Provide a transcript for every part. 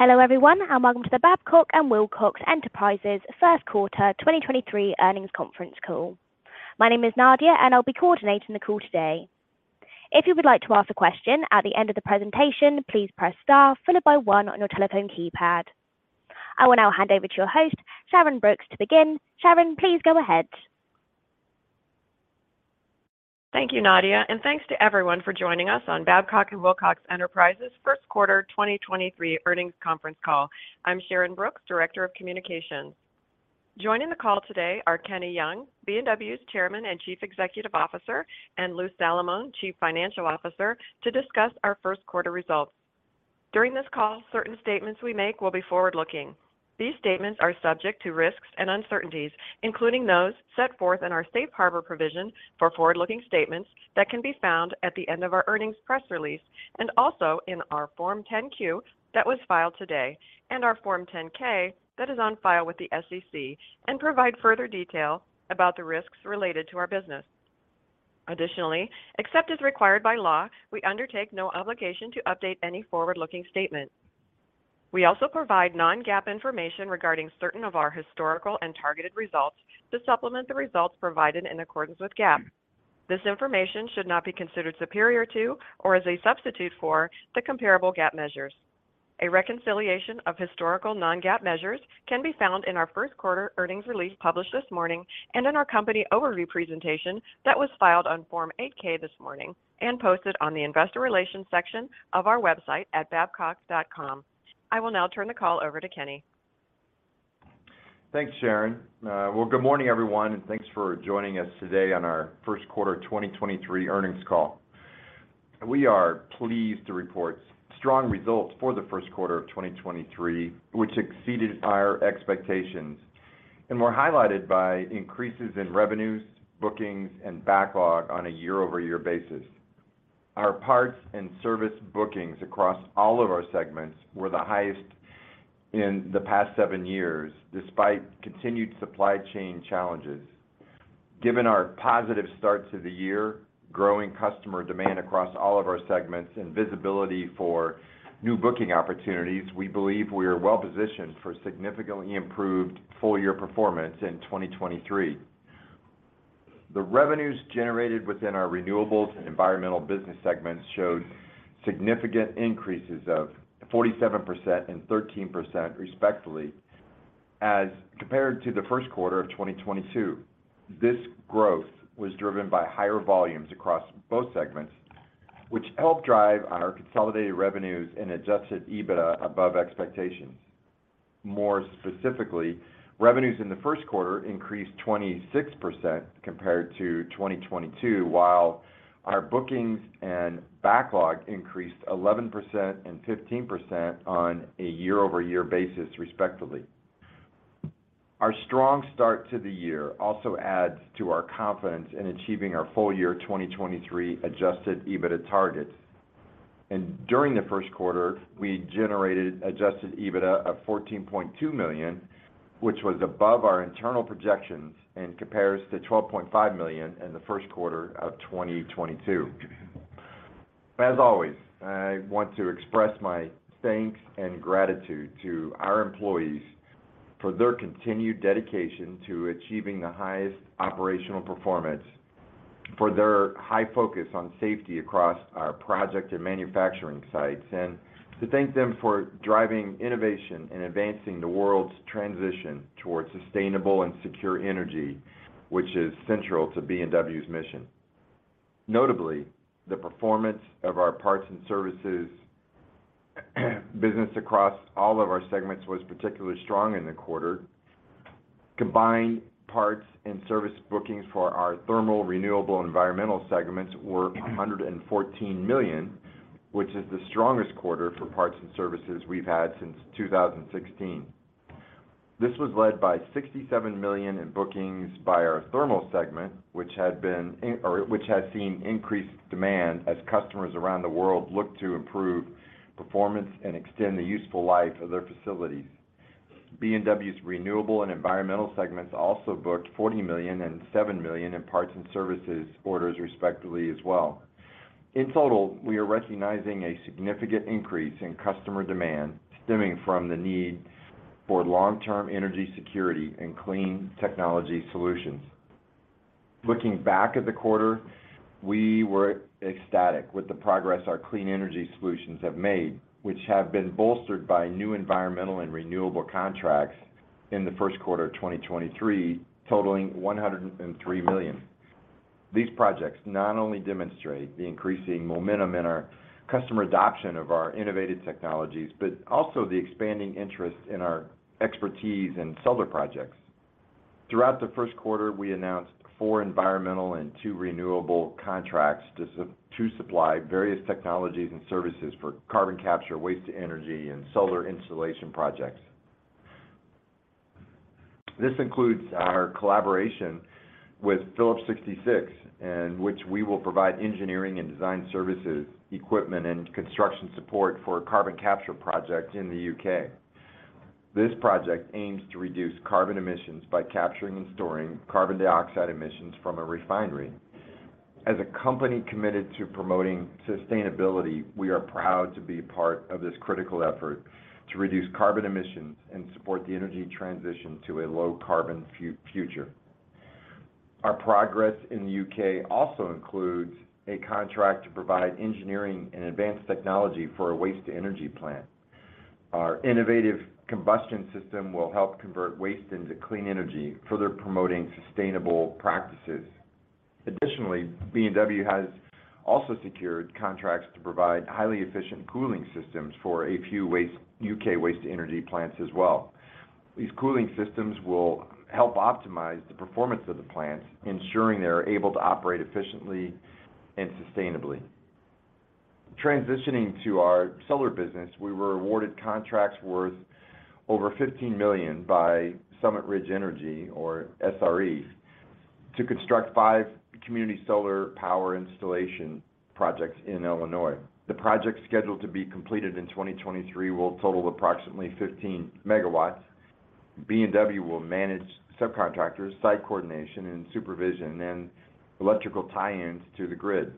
Hello everyone, welcome to the Babcock & Wilcox Enterprises first quarter 2023 earnings conference call. My name is Nadia, and I'll be coordinating the call today. If you would like to ask a question at the end of the presentation, please press star followed by 1 on your telephone keypad. I will now hand over to your host, Sharyn Brooks, to begin. Sharyn, please go ahead. Thank you, Nadia, and thanks to everyone for joining us on Babcock & Wilcox Enterprises first quarter 2023 earnings conference call. I'm Sharyn Brooks, Director of Communications. Joining the call today are Kenny Young, B&W's Chairman and Chief Executive Officer, and Lou Salamone, Chief Financial Officer, to discuss our first quarter results. During this call, certain statements we make will be forward-looking. These statements are subject to risks and uncertainties, including those set forth in our safe harbor provision for forward-looking statements that can be found at the end of our earnings press release and also in our Form 10-Q that was filed today and our Form 10-K that is on file with the SEC and provide further detail about the risks related to our business. Additionally, except as required by law, we undertake no obligation to update any forward-looking statement. We also provide non-GAAP information regarding certain of our historical and targeted results to supplement the results provided in accordance with GAAP. This information should not be considered superior to or as a substitute for the comparable GAAP measures. A reconciliation of historical Non-GAAP measures can be found in our first quarter earnings release published this morning and in our company overview presentation that was filed on Form 8-K this morning and posted on the investor relations section of our website at babcock.com. I will now turn the call over to Kenny. Thanks, Sharyn. Well, good morning everyone, and thanks for joining us today on our first quarter 2023 earnings call. We are pleased to report strong results for the first quarter of 2023, which exceeded our expectations and were highlighted by increases in revenues, bookings, and backlog on a year-over-year basis. Our parts and service bookings across all of our segments were the highest in the past 7 years, despite continued supply chain challenges. Given our positive start to the year, growing customer demand across all of our segments and visibility for new booking opportunities, we believe we are well positioned for significantly improved full year performance in 2023. The revenues generated within our renewables and environmental business segments showed significant increases of 47% and 13%, respectively, as compared to the first quarter of 2022. This growth was driven by higher volumes across both segments, which helped drive on our consolidated revenues and adjusted EBITDA above expectations. More specifically, revenues in the first quarter increased 26% compared to 2022, while our bookings and backlog increased 11% and 15% on a year-over-year basis, respectively. Our strong start to the year also adds to our confidence in achieving our full year 2023 adjusted EBITDA targets. During the first quarter, we generated adjusted EBITDA of $14.2 million, which was above our internal projections and compares to $12.5 million in the first quarter of 2022. As always, I want to express my thanks and gratitude to our employees for their continued dedication to achieving the highest operational performance, for their high focus on safety across our project and manufacturing sites, and to thank them for driving innovation and advancing the world's transition towards sustainable and secure energy, which is central to B&W's mission. Notably, the performance of our parts and services business across all of our segments was particularly strong in the quarter. Combined parts and service bookings for our thermal, renewable, and environmental segments were $114 million, which is the strongest quarter for parts and services we've had since 2016. This was led by $67 million in bookings by our Thermal segment, which has seen increased demand as customers around the world look to improve performance and extend the useful life of their facilities. B&W's Renewable and Environmental segments also booked $40 million and $7 million in parts and services orders respectively as well. In total, we are recognizing a significant increase in customer demand stemming from the need for long-term energy security and clean technology solutions. Looking back at the quarter, we were ecstatic with the progress our clean energy solutions have made, which have been bolstered by new Environmental and Renewable contracts in the first quarter of 2023 totaling $103 million. These projects not only demonstrate the increasing momentum in our customer adoption of our innovative technologies, but also the expanding interest in our expertise and solar projects. Throughout the first quarter, we announced 4 environmental and 2 renewable contracts to supply various technologies and services for carbon capture, waste-to-energy, and solar installation projects. This includes our collaboration with Phillips 66 in which we will provide engineering and design services, equipment, and construction support for a carbon capture project in the U.K. This project aims to reduce carbon emissions by capturing and storing carbon dioxide emissions from a refinery. As a company committed to promoting sustainability, we are proud to be a part of this critical effort to reduce carbon emissions and support the energy transition to a low carbon future. Our progress in the U.K. also includes a contract to provide engineering and advanced technology for a waste-to-energy plant. Our innovative combustion system will help convert waste into clean energy, further promoting sustainable practices. Additionally, B&W has also secured contracts to provide highly efficient cooling systems for a few U.K. waste-to-energy plants as well. These cooling systems will help optimize the performance of the plants, ensuring they are able to operate efficiently and sustainably. Transitioning to our solar business, we were awarded contracts worth over $15 million by Summit Ridge Energy, or SRE, to construct 5 community solar power installation projects in Illinois. The project, scheduled to be completed in 2023, will total approximately 15 megawatts. B&W will manage subcontractors, site coordination and supervision, and electrical tie-ins to the grid.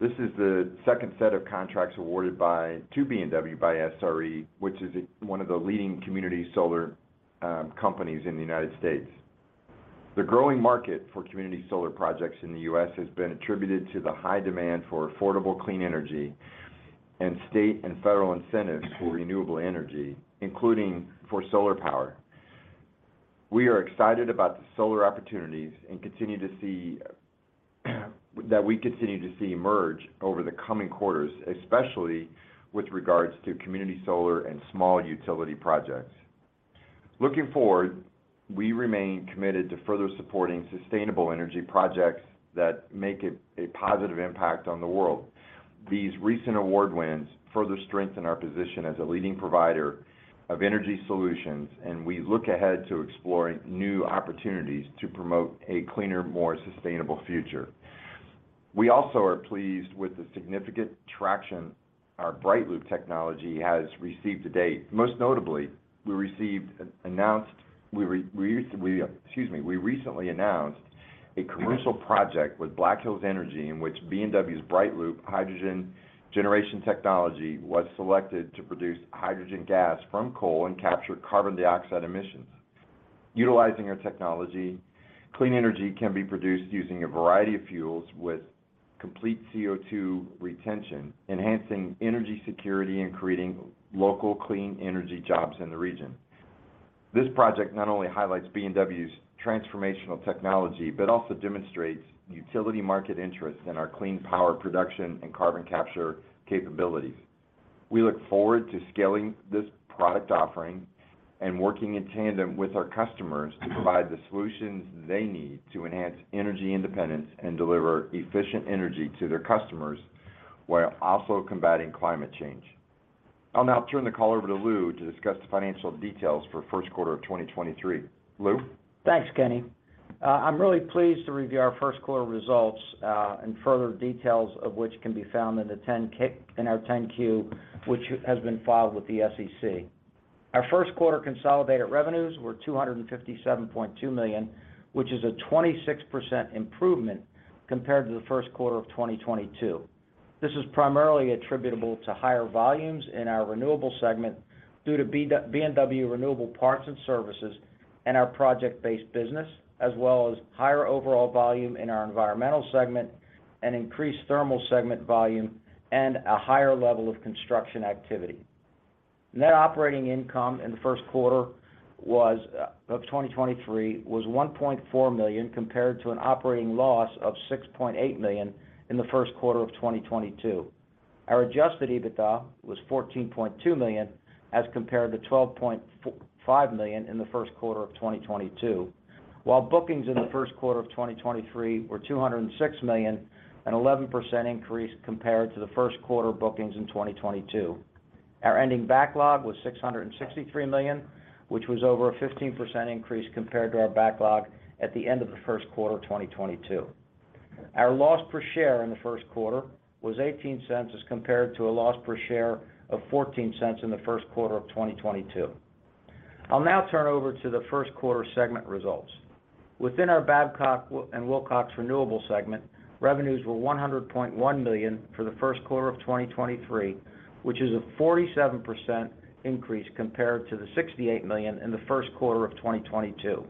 This is the second set of contracts awarded to B&W by SRE, which is 1 of the leading community solar companies in the United States. The growing market for community solar projects in the U.S. has been attributed to the high demand for affordable, clean energy and state and federal incentives for renewable energy, including for solar power. We are excited about the solar opportunities that we continue to see emerge over the coming quarters, especially with regards to community solar and small utility projects. Looking forward, we remain committed to further supporting sustainable energy projects that make a positive impact on the world. These recent award wins further strengthen our position as a leading provider of energy solutions. We look ahead to exploring new opportunities to promote a cleaner, more sustainable future. We also are pleased with the significant traction our BrightLoop technology has received to date. Most notably, we recently, excuse me, announced a commercial project with Black Hills Energy in which B&W's BrightLoop hydrogen generation technology was selected to produce hydrogen gas from coal and capture carbon dioxide emissions. Utilizing our technology, clean energy can be produced using a variety of fuels with complete CO2 retention, enhancing energy security and creating local clean energy jobs in the region. This project not only highlights B&W's transformational technology, but also demonstrates utility market interest in our clean power production and carbon capture capabilities. We look forward to scaling this product offering and working in tandem with our customers to provide the solutions they need to enhance energy independence and deliver efficient energy to their customers while also combating climate change. I'll now turn the call over to Lou to discuss the financial details for first quarter of 2023. Lou? Thanks, Kenny. I'm really pleased to review our first quarter results, and further details of which can be found in our 10-Q, which has been filed with the SEC. Our first quarter consolidated revenues were $257.2 million, which is a 26% improvement compared to the first quarter of 2022. This is primarily attributable to higher volumes in our Renewable segment due to B&W Renewable Parts and Services and our project-based business, as well as higher overall volume in our Environmental segment and increased Thermal segment volume and a higher level of construction activity. Net operating income in the first quarter of 2023 was $1.4 million compared to an operating loss of $6.8 million in the first quarter of 2022. Our adjusted EBITDA was $14.2 million as compared to $12.5 million in the first quarter of 2022, while bookings in the first quarter of 2023 were $206 million, an 11% increase compared to the first quarter bookings in 2022. Our ending backlog was $663 million, which was over a 15% increase compared to our backlog at the end of the first quarter of 2022. Our loss per share in the first quarter was $0.18 as compared to a loss per share of $0.14 in the first quarter of 2022. I'll now turn over to the first quarter segment results. Within our Babcock & Wilcox Renewable segment, revenues were $100.1 million for the first quarter of 2023, which is a 47% increase compared to the $68 million in the first quarter of 2022.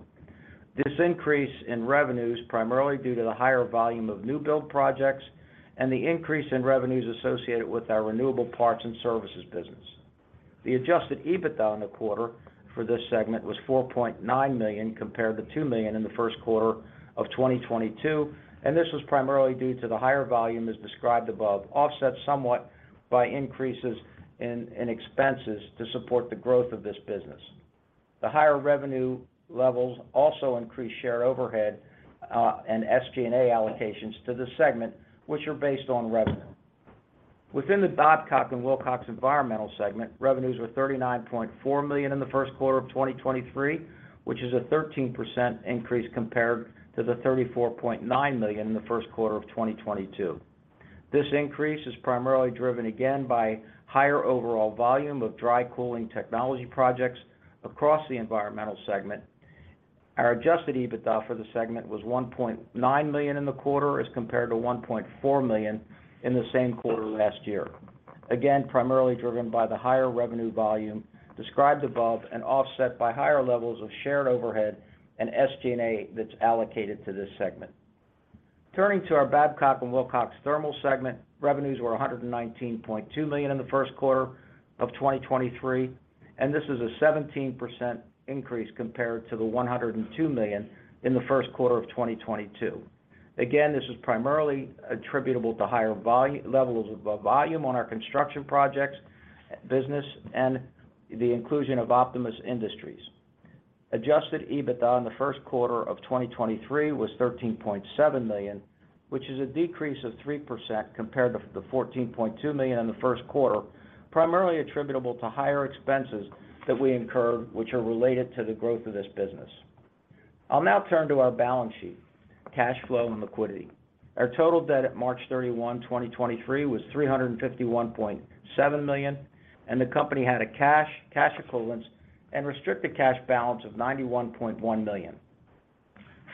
This increase in revenue is primarily due to the higher volume of new build projects and the increase in revenues associated with our renewable parts and services business. The adjusted EBITDA in the quarter for this segment was $4.9 million compared to $2 million in the first quarter of 2022, and this was primarily due to the higher volume as described above, offset somewhat by increases in expenses to support the growth of this business. The higher revenue levels also increased shared overhead and SG&A allocations to the segment, which are based on revenue. Within the Babcock & Wilcox Environmental segment, revenues were $39.4 million in the first quarter of 2023, which is a 13% increase compared to the $34.9 million in the first quarter of 2022. This increase is primarily driven again by higher overall volume of dry cooling technology projects across the environmental segment. Our adjusted EBITDA for the segment was $1.9 million in the quarter as compared to $1.4 million in the same quarter last year. Primarily driven by the higher revenue volume described above and offset by higher levels of shared overhead and SG&A that's allocated to this segment. Turning to our Babcock & Wilcox Thermal Segment, revenues were $119.2 million in the first quarter of 2023. This is a 17% increase compared to the $102 million in the first quarter of 2022. Again, this is primarily attributable to higher levels of volume on our construction projects business and the inclusion of Optimus Industries. Adjusted EBITDA in the first quarter of 2023 was $13.7 million, which is a decrease of 3% compared to the $14.2 million in the first quarter, primarily attributable to higher expenses that we incurred, which are related to the growth of this business. I'll now turn to our balance sheet, cash flow, and liquidity. Our total debt at March 31, 2023 was $351.7 million, and the company had a cash equivalents, and restricted cash balance of $91.1 million.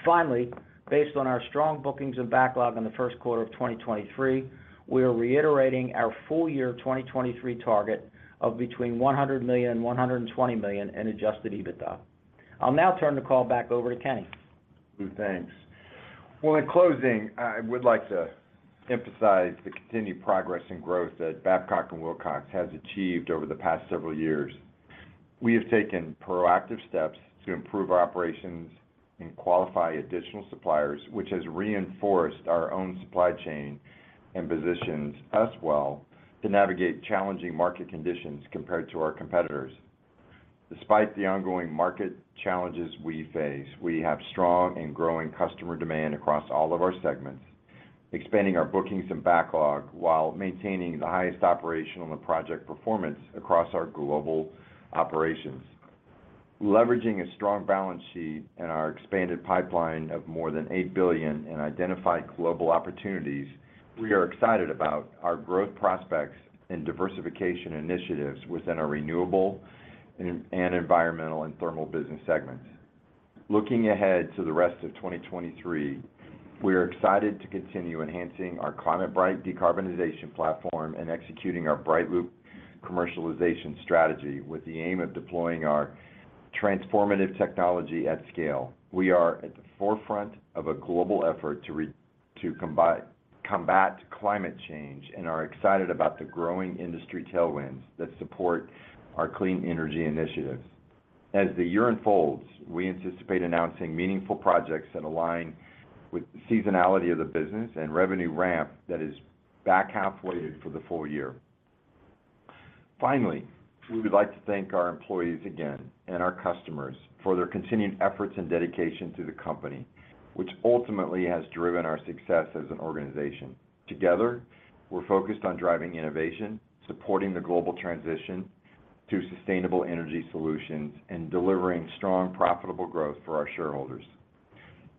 Finally, based on our strong bookings and backlog in the first quarter of 2023, we are reiterating our full year 2023 target of between $100 million and $120 million in adjusted EBITDA. I'll now turn the call back over to Kenny. Lou, thanks. Well, in closing, I would like to emphasize the continued progress and growth that Babcock & Wilcox has achieved over the past several years. We have taken proactive steps to improve our operations and qualify additional suppliers, which has reinforced our own supply chain and positions us well to navigate challenging market conditions compared to our competitors. Despite the ongoing market challenges we face, we have strong and growing customer demand across all of our segments, expanding our bookings and backlog while maintaining the highest operational and project performance across our global operations. Leveraging a strong balance sheet and our expanded pipeline of more than $8 billion in identified global opportunities, we are excited about our growth prospects and diversification initiatives within our renewable and environmental and thermal business segments. Looking ahead to the rest of 2023, we are excited to continue enhancing our ClimateBright decarbonization platform and executing our BrightLoop commercialization strategy with the aim of deploying our transformative technology at scale. We are at the forefront of a global effort to combat climate change and are excited about the growing industry tailwinds that support our clean energy initiatives. As the year unfolds, we anticipate announcing meaningful projects that align with the seasonality of the business and revenue ramp that is back-half weighted for the full year. Finally, we would like to thank our employees again and our customers for their continued efforts and dedication to the company, which ultimately has driven our success as an organization. Together, we're focused on driving innovation, supporting the global transition to sustainable energy solutions, and delivering strong, profitable growth for our shareholders.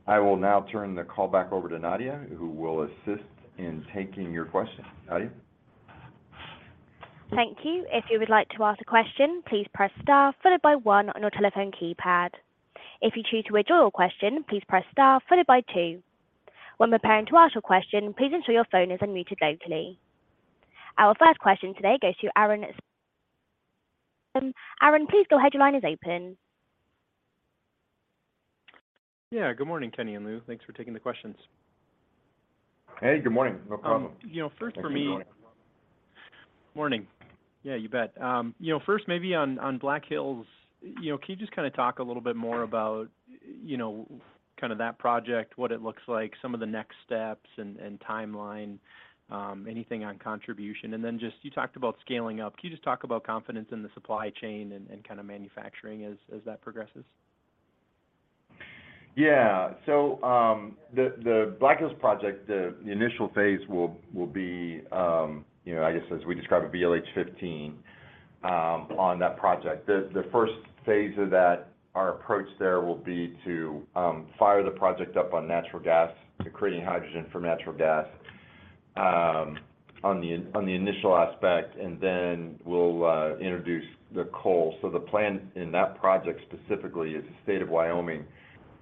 I will now turn the call back over to Nadia, who will assist in taking your questions. Nadia? Thank you. If you would like to ask a question, please press star followed by 1 on your telephone keypad. If you choose to withdraw your question, please press star followed by 2. When preparing to ask your question, please ensure your phone is unmuted locally. Our first question today goes to Aaron. Aaron, please go ahead. Your line is open. Yeah. Good morning, Kenny and Lou. Thanks for taking the questions. Hey, good morning. No problem. You know, first for me. Good morning. Morning. Yeah, you bet. You know, first maybe on Black Hills, you know, can you just kinda talk a little bit more about, you know, kind of that project, what it looks like, some of the next steps and timeline, anything on contribution? Then just you talked about scaling up. Can you just talk about confidence in the supply chain and kinda manufacturing as that progresses? The Black Hills project, the initial phase will be, you know, I guess as we described a BHE 15 on that project. The first phase of that, our approach there will be to fire the project up on natural gas, so creating hydrogen from natural gas on the initial aspect, we'll introduce the coal. The plan in that project specifically is the state of Wyoming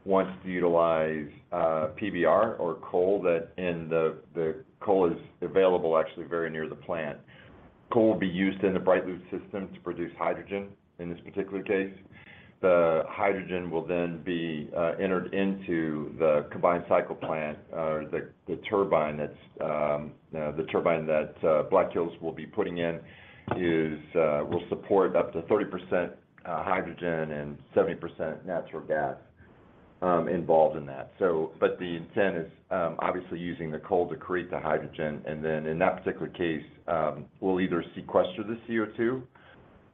wants to utilize PRB or coal that the coal is available actually very near the plant. Coal will be used in the BrightLoop system to produce hydrogen in this particular case. The hydrogen will then be entered into the combined-cycle plant, the turbine that's, you know, the turbine that Black Hills will be putting in is will support up to 30% hydrogen and 70% natural gas involved in that. The intent is obviously using the coal to create the hydrogen, and then in that particular case, we'll either sequester the CO2,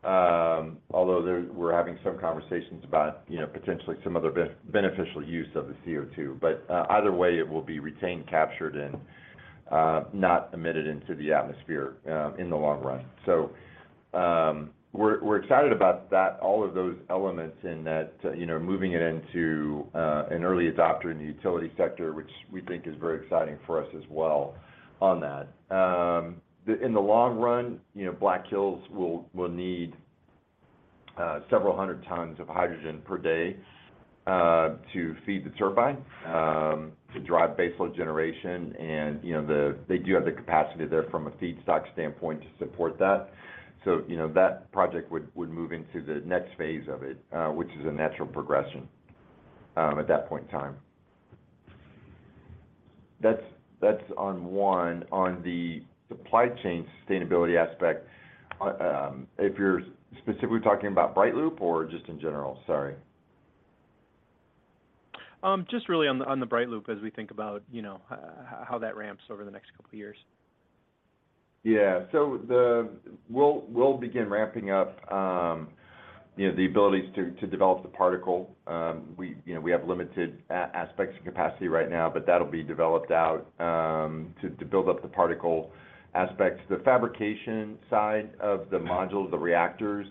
although there we're having some conversations about, you know, potentially some other beneficial use of the CO2. Either way, it will be retained, captured, and not emitted into the atmosphere in the long run. We're excited about that, all of those elements in that, you know, moving it into an early adopter in the utility sector, which we think is very exciting for us as well on that. In the long run, you know, Black Hills will need several hundred tons of hydrogen per day to feed the turbine to drive baseload generation. You know, they do have the capacity there from a feedstock standpoint to support that. You know, that project would move into the next phase of it, which is a natural progression at that point in time. That's on 1. On the supply chain sustainability aspect, if you're specifically talking about BrightLoop or just in general? Sorry. Just really on the, on the BrightLoop as we think about, you know, how that ramps over the next couple of years. Yeah. We'll begin ramping up, you know, the abilities to develop the particle. We, you know, we have limited aspects to capacity right now, but that'll be developed out to build up the particle aspects. The fabrication side of the modules, the reactors,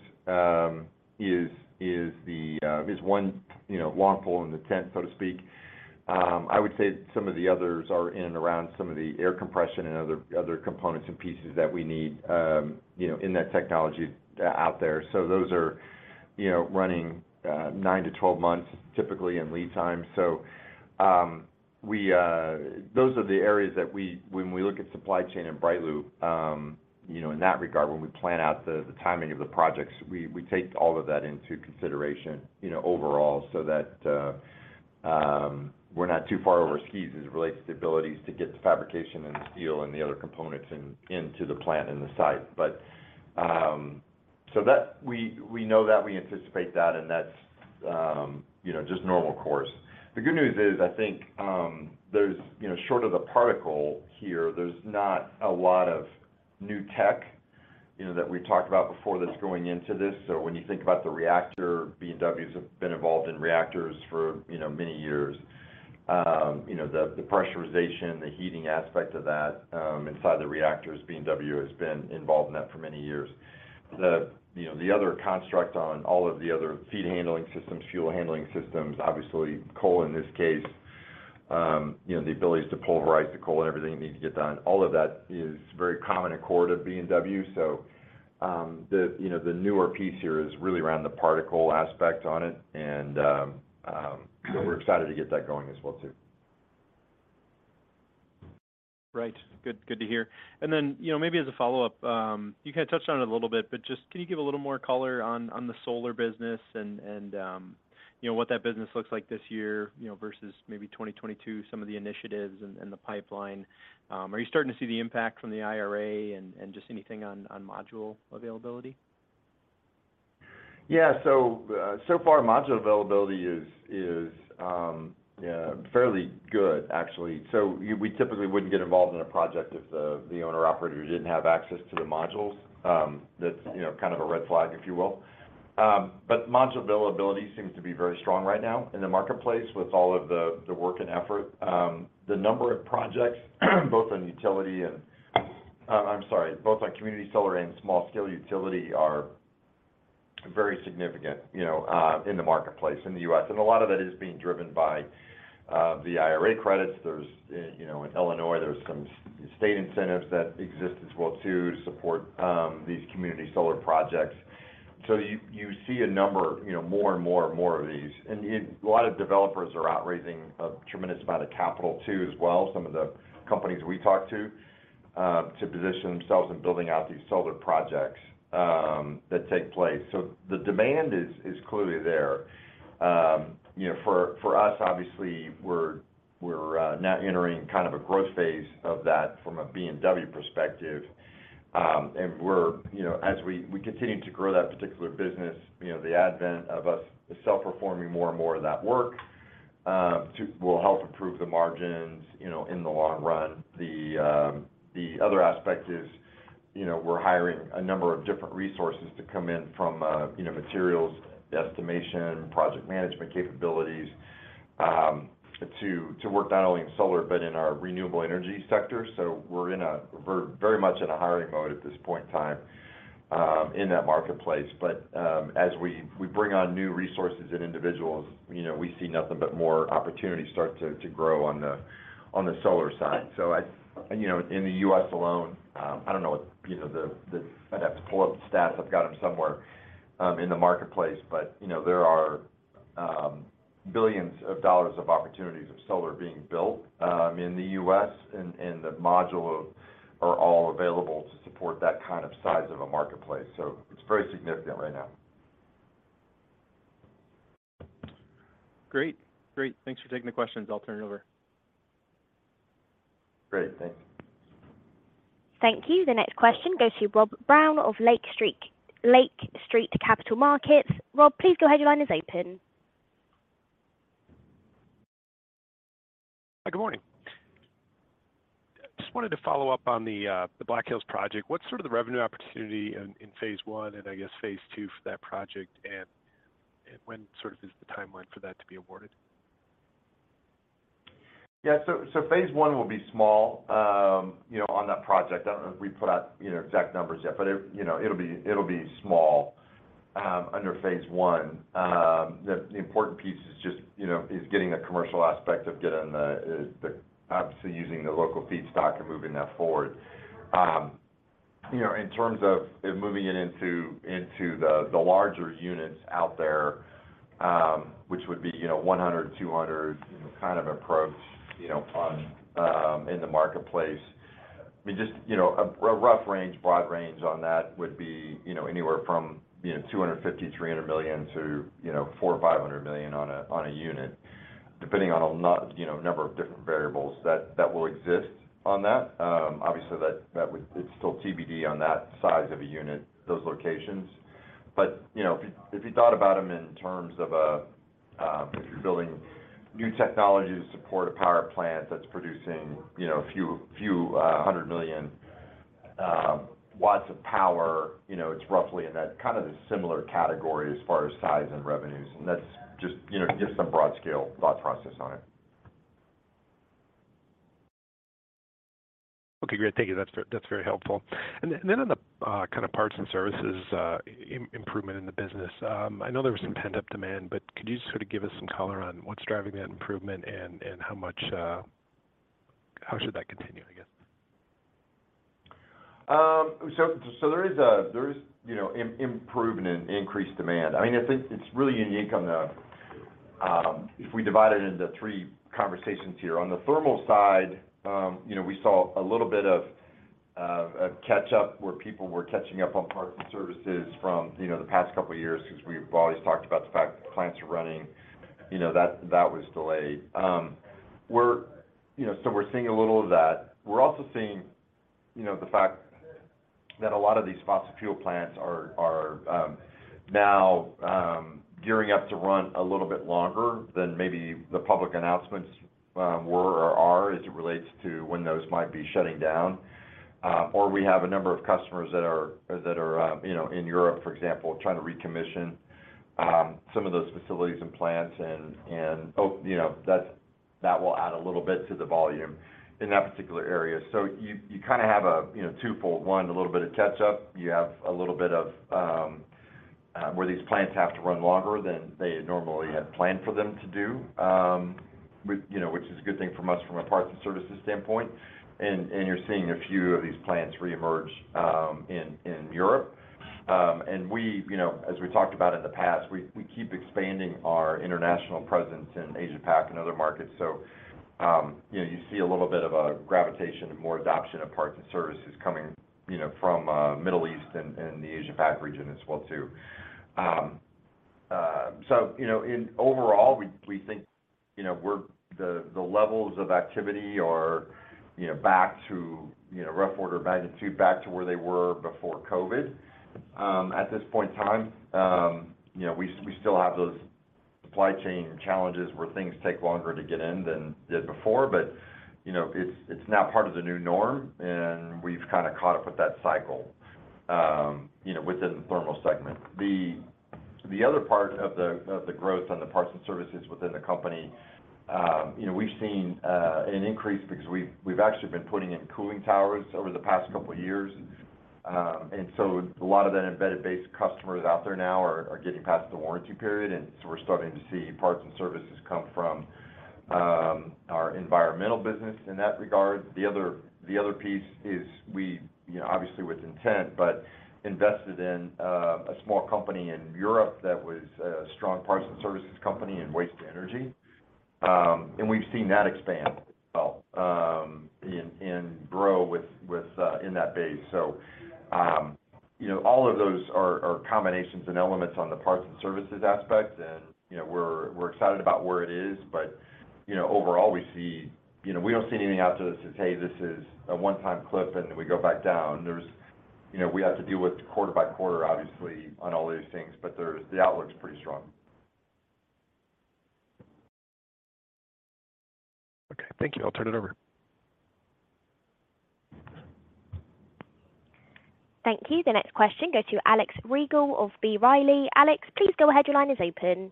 is 1, you know, long pole in the tent, so to speak. I would say some of the others are in and around some of the air compression and other components and pieces that we need, you know, in that technology out there. Those are, you know, running 9-12 months typically in lead time. We... Those are the areas that when we look at supply chain and BrightLoop, you know, in that regard, when we plan out the timing of the projects, we take all of that into consideration, you know, overall so that we're not too far over skis as it relates to the abilities to get the fabrication and the steel and the other components into the plant and the site. We know that, we anticipate that, and that's, you know, just normal course. The good news is, I think, there's, you know, short of the particle here, there's not a lot of new tech, you know, that we talked about before that's going into this. When you think about the reactor, B&W's have been involved in reactors for, you know, many years. you know, the pressurization, the heating aspect of that, inside the reactors, B&W has been involved in that for many years. The, you know, the other construct on all of the other feed handling systems, fuel handling systems, obviously coal in this case, you know, the abilities to pulverize the coal and everything you need to get done, all of that is very common to the core to B&W. The, you know, the newer piece here is really around the particle aspect on it. We're excited to get that going as well, too. Right. Good, good to hear. You know, maybe as a follow-up, you kind of touched on it a little bit, but just can you give a little more color on the solar business and, you know, what that business looks like this year, you know, versus maybe 2022, some of the initiatives and the pipeline? Are you starting to see the impact from the IRA and just anything on module availability? Yeah. So far module availability is fairly good actually. We typically wouldn't get involved in a project if the owner operator didn't have access to the modules. That's, you know, kind of a red flag, if you will. Module availability seems to be very strong right now in the marketplace with all of the work and effort. The number of projects both on utility and... I'm sorry, both on community solar and small scale utility are very significant, you know, in the marketplace in the U.S. A lot of that is being driven by the IRA credits. There's, you know, in Illinois, there's some state incentives that exist as well too, to support these community solar projects. You see a number, you know, more and more and more of these. A lot of developers are out raising a tremendous amount of capital too, as well. Some of the companies we talk to position themselves in building out these solar projects that take place. The demand is clearly there. You know, for us, obviously, we're now entering kind of a growth phase of that from a B&W perspective. We're, you know, as we continue to grow that particular business, you know, the advent of us self-performing more and more of that work will help improve the margins, you know, in the long run. The other aspect is, you know, we're hiring a number of different resources to come in from, you know, materials estimation, project management capabilities, to work not only in solar, but in our renewable energy sector. We're very much in a hiring mode at this point in time, in that marketplace. As we bring on new resources and individuals, you know, we see nothing but more opportunities start to grow on the solar side. I, you know, in the U.S. alone, I don't know what, you know, the... I'd have to pull up the stats, I've got them somewhere, in the marketplace, but, you know, there are, $ billions of opportunities of solar being built, in the U.S., and the module are all available to support that kind of size of a marketplace. It's very significant right now. Great. Thanks for taking the questions. I'll turn it over. Great. Thank you. Thank you. The next question goes to Rob Brown of Lake Street Capital Markets. Rob, please go ahead. Your line is open. Hi, good morning. Just wanted to follow up on the Black Hills Energy project. What's sort of the revenue opportunity in phase 1 and I guess phase 2 for that project? When sort of is the timeline for that to be awarded? Phase 1 will be small, you know, on that project. I don't know if we put out, you know, exact numbers yet, but it, you know, it'll be small, under phase 1. The important piece is just, you know, is getting the commercial aspect of getting the obviously using the local feedstock and moving that forward. You know, in terms of moving it into the larger units out there, which would be, you know, 100, 200, you know, kind of approach, you know, in the marketplace. I mean, just, you know, a rough range, broad range on that would be, you know, anywhere from, you know, $250 million-$300 million to, you know, $400 million-$500 million on a unit, depending on a, you know, number of different variables that will exist on that. Obviously, it's still TBD on that size of a unit, those locations. You know, if you thought about them in terms of, if you're building new technology to support a power plant that's producing, you know, a few hundred million watts of power, you know, it's roughly in that kind of the similar category as far as size and revenues. That's just, you know, just some broad-scale thought process on it. Okay, great. Thank you. That's very helpful. Then on the kind of parts and services improvement in the business, I know there was some pent-up demand, but could you sort of give us some color on what's driving that improvement and how much? How should that continue, I guess? There is, you know, improvement in increased demand. I mean, it's really unique on the, if we divide it into 3 conversations here. On the thermal side, you know, we saw a little bit of a catch-up where people were catching up on parts and services from, you know, the past couple of years because we've always talked about the fact that the plants are running, you know, that was delayed. We're, you know, we're seeing a little of that. We're also seeing, you know, the fact that a lot of these fossil fuel plants are now gearing up to run a little bit longer than maybe the public announcements were or are as it relates to when those might be shutting down. We have a number of customers that are, you know, in Europe, for example, trying to recommission some of those facilities and plants and, you know, that will add a little bit to the volume in that particular area. You kind of have a, you know, 2fold, 1, a little bit of catch-up. You have a little bit of where these plants have to run longer than they normally had planned for them to do, you know, which is a good thing for us from a parts and services standpoint. You're seeing a few of these plants reemerge in Europe. We, you know, as we talked about in the past, we keep expanding our international presence in Asia-Pac and other markets. You know, you see a little bit of a gravitation and more adoption of parts and services coming, you know, from Middle East and the Asia-Pac region as well, too. You know, in overall, we think, you know, the levels of activity are, you know, back to, you know, rough order of magnitude back to where they were before COVID. At this point in time, you know, we still have those supply chain challenges where things take longer to get in than they did before, but, you know, it's now part of the new norm, and we've kind of caught up with that cycle, you know, within the Thermal segment. The other part of the growth on the parts and services within the company, you know, we've seen an increase because we've actually been putting in cooling towers over the past couple of years. A lot of that embedded base of customers out there now are getting past the warranty period. We're starting to see parts and services come from our environmental business in that regard. The other piece is we, you know, obviously with intent, but invested in a small company in Europe that was a strong parts and services company in waste-to-energy. We've seen that expand as well, and grow with in that base. You know, all of those are combinations and elements on the parts and services aspect. You know, we're excited about where it is. You know, overall, we see, you know, we don't see anything out there that says, "Hey, this is a one-time clip, and then we go back down." You know, we have to deal with quarter by quarter, obviously, on all these things, but the outlook's pretty strong. Okay. Thank you. I'll turn it over. Thank you. The next question goes to Alex Rygiel of B. Riley. Alex, please go ahead. Your line is open.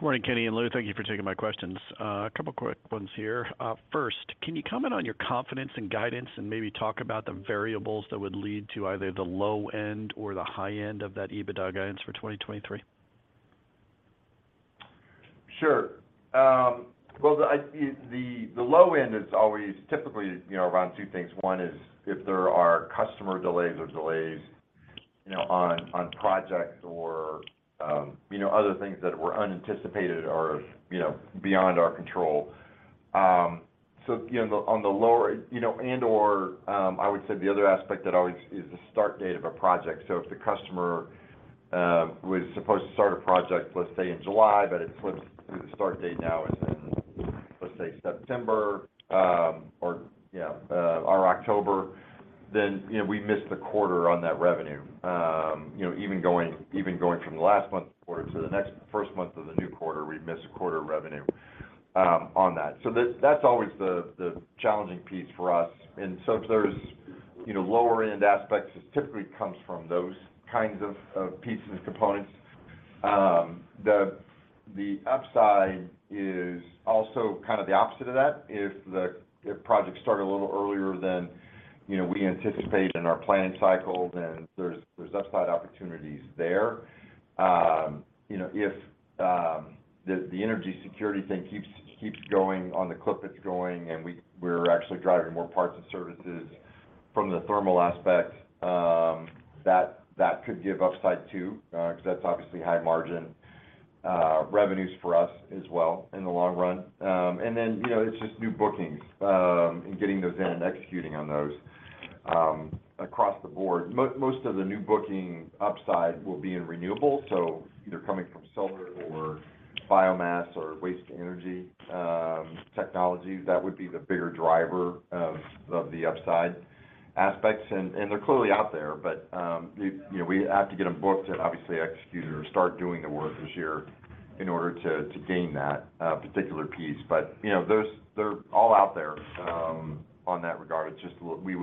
Good morning, Kenny and Lou. Thank you for taking my questions. A couple of quick ones here. First, can you comment on your confidence and guidance and maybe talk about the variables that would lead to either the low end or the high end of that EBITDA guidance for 2023? Sure. Well, the low end is always typically, you know, around 2 things. 1 is if there are customer delays or delays, you know, on projects or, you know, other things that were unanticipated or, you know, beyond our control. You know, I would say the other aspect that always is the start date of a project. If the customer was supposed to start a project, let's say, in July, but it flips to the start date now is in, let's say, September, or yeah, or October, you know, we miss the quarter on that revenue. You know, even going from the last month's quarter to the next first month of the new quarter, we miss a quarter of revenue on that. That's always the challenging piece for us. If there's, you know, lower end aspects, it typically comes from those kinds of pieces, components. The upside is also kind of the opposite of that. If projects start a little earlier than you know, we anticipate in our planning cycle that there's upside opportunities there. You know, if the energy security thing keeps going on the clip it's going and we're actually driving more parts and services from the thermal aspect, that could give upside too, because that's obviously high margin revenues for us as well in the long run. And then, you know, it's just new bookings, and getting those in and executing on those across the board. Most of the new booking upside will be in renewables, so either coming from solar or biomass or waste-to-energy technologies, that would be the bigger driver of the upside aspects. They're clearly out there. You know, we have to get them booked and obviously execute or start doing the work this year in order to gain that particular piece. You know, those they're all out there on that regard. It's just we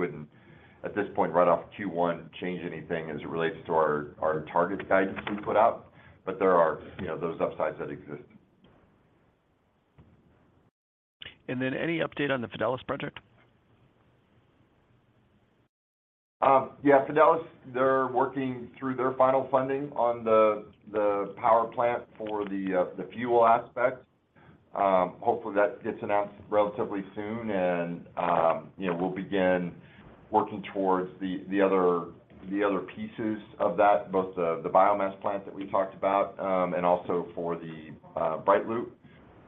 wouldn't, at this point, right off Q1, change anything as it relates to our target guidance we put out. There are, you know, those upsides that exist. Any update on the Fidelis project? Yeah. Fidelis, they're working through their final funding on the power plant for the fuel aspect. Hopefully, that gets announced relatively soon, and, you know, we'll begin working towards the other, the other pieces of that, both the biomass plant that we talked about, and also for the BrightLoop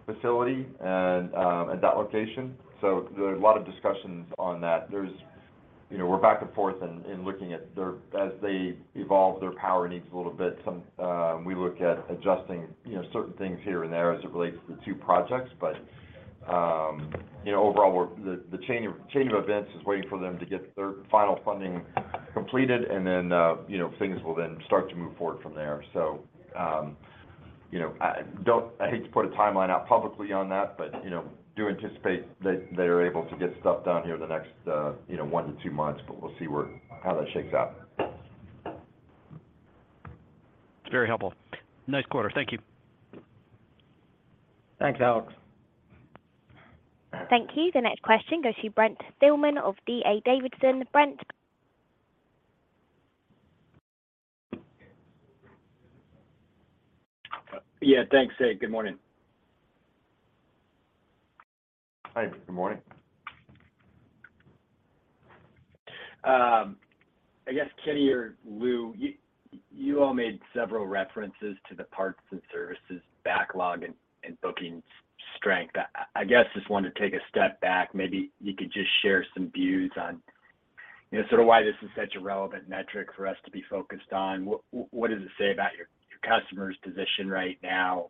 facility and, at that location. There's a lot of discussions on that. You know, we're back and forth in looking at as they evolve their power needs a little bit, some, we look at adjusting, you know, certain things here and there as it relates to the 2 projects. You know, overall, the chain of events is waiting for them to get their final funding completed, and then, you know, things will then start to move forward from there. You know, I don't hate to put a timeline out publicly on that, but, you know, do anticipate that they are able to get stuff done here in the next, you know, 1 to 2 months, but we'll see how that shakes out. It's very helpful. Nice quarter. Thank you. Thanks, Alex. Thank you. The next question goes to Brent Thielman of D.A. Davidson. Brent? Yeah. Thanks. Hey, good morning. Hi. Good morning. I guess Kenny or Lou, you all made several references to the parts and services backlog and bookings strength. I guess, just wanted to take a step back. Maybe you could just share some views on, you know, sort of why this is such a relevant metric for us to be focused on. What does it say about your customers' position right now,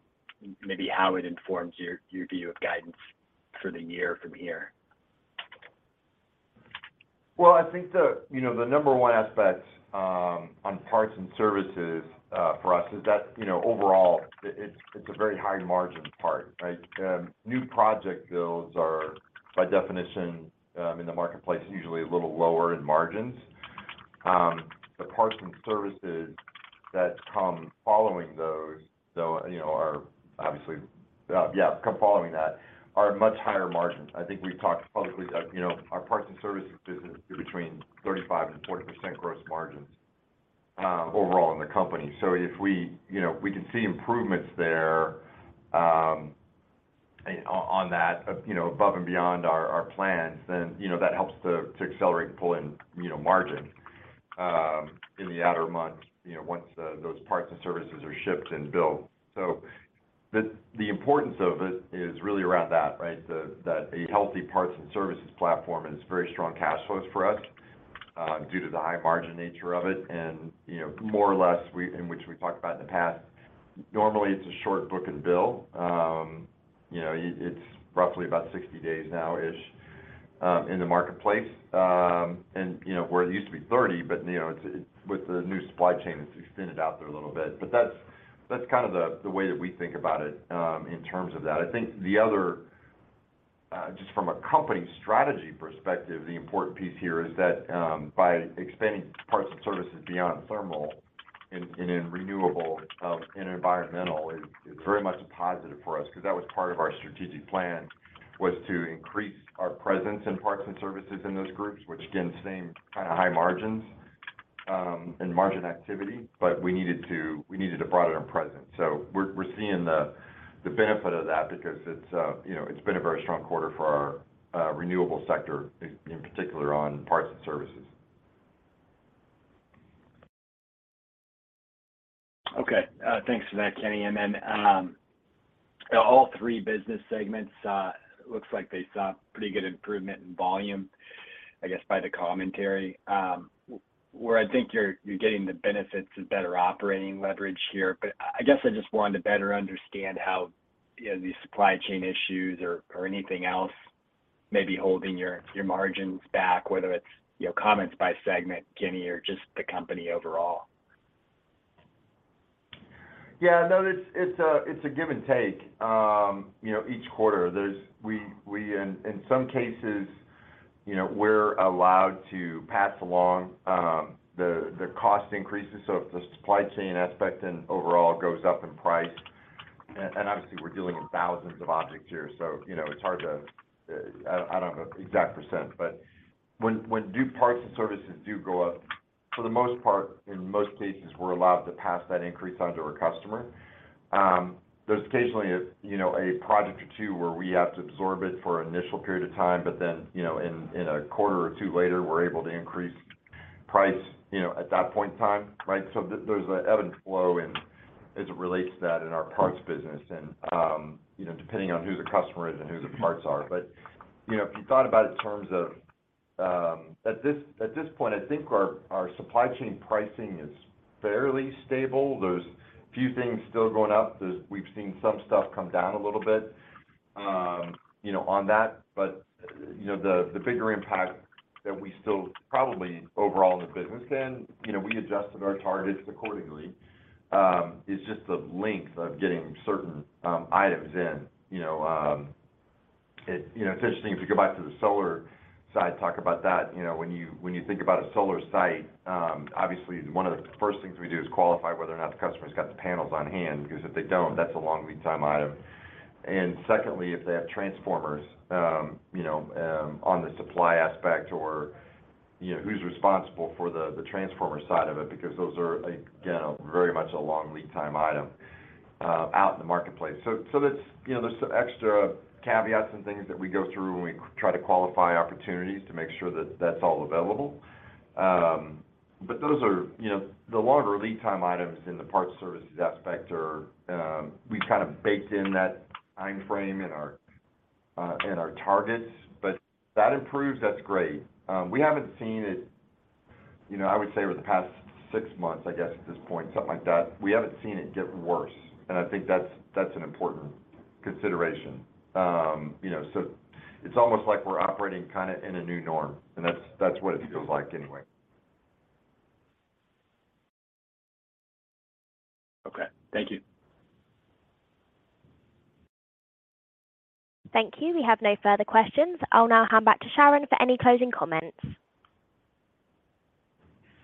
maybe how it informs your view of guidance for the year from here? Well, I think the, you know, the number 1 aspect on parts and services for us is that, you know, overall, it's a very high margin part, right. New project builds are, by definition, in the marketplace, usually a little lower in margins. The parts and services that come following those, though, you know, are obviously come following that, are much higher margins. I think we've talked publicly, you know, our parts and services business is between 35% and 40% gross margins overall in the company. If we, you know, we can see improvements there on that, you know, above and beyond our plans, then, you know, that helps to accelerate and pull in, you know, margin in the outer months, you know, once those parts and services are shipped and billed. The importance of it is really around that, right? The, that a healthy parts and services platform is very strong cash flows for us due to the high margin nature of it. You know, more or less, which we talked about in the past, normally it's a short book and bill. You know, it's roughly about 60 days now-ish in the marketplace, you know, where it used to be 30, but, you know, with the new supply chain, it's extended out there a little bit. That's, that's kind of the way that we think about it in terms of that. I think the other, just from a company strategy perspective, the important piece here is that, by expanding parts and services beyond thermal and in renewable, and environmental is very much a positive for us because that was part of our strategic plan, was to increase our presence in parts and services in those groups, which again, same kind of high margins, and margin activity, but we needed a broader presence. We're seeing the benefit of that because it's, you know, it's been a very strong quarter for our, renewable sector, in particular on parts and services. Thanks for that, Kenny. All 3 business segments looks like they saw pretty good improvement in volume, I guess, by the commentary, where I think you're getting the benefits of better operating leverage here. I guess I just wanted to better understand how, you know, these supply chain issues or anything else may be holding your margins back, whether it's, you know, comments by segment, Kenny, or just the company overall. Yeah. No, it's a, it's a give and take. You know, each quarter we in some cases, you know, we're allowed to pass along the cost increases. If the supply chain aspect and overall goes up in price. Obviously, we're dealing with thousands of objects here, so you know, it's hard to. I don't know the exact % but when parts and services go up, for the most part, in most cases, we're allowed to pass that increase on to our customer. There's occasionally a, you know, a project or 2 where we have to absorb it for an initial period of time. You know, in a quarter or 2 later, we're able to increase price, you know, at that point in time, right? There's an ebb and flow in as it relates to that in our parts business and, you know, depending on who the customer is and who the parts are. If you thought about it in terms of, at this, at this point, I think our supply chain pricing is fairly stable. There's a few things still going up. We've seen some stuff come down a little bit, you know, on that. The bigger impact that we still probably overall in the business then, you know, we adjusted our targets accordingly, is just the length of getting certain items in. You know, it's interesting if you go back to the solar side, talk about that. You know, when you think about a solar site, obviously 1 of the first things we do is qualify whether or not the customer's got the panels on hand, because if they don't, that's a long lead time item. Secondly, if they have transformers, you know, on the supply aspect or, you know, who's responsible for the transformer side of it, because those are, again, a very much a long lead time item out in the marketplace. That's, you know, there's some extra caveats and things that we go through when we try to qualify opportunities to make sure that that's all available. Those are, you know, the longer lead time items in the parts services aspect are, we've kind of baked in that timeframe in our in our targets. If that improves, that's great. We haven't seen it, you know, I would say over the past 6 months, I guess at this point, something like that, we haven't seen it get worse. I think that's an important consideration. You know, it's almost like we're operating kinda in a new norm, and that's what it feels like anyway. Okay. Thank you. Thank you. We have no further questions. I'll now hand back to Sharyn for any closing comments.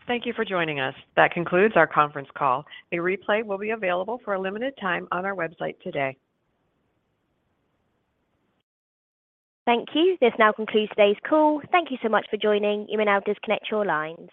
Thank you for joining us. That concludes our conference call. A replay will be available for a limited time on our website today. Thank you. This now concludes today's call. Thank you so much for joining. You may now disconnect your lines.